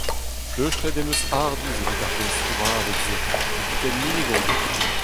Pleustret em eus hardizh evit ar genstrivadeg-se, dipitet-mik on.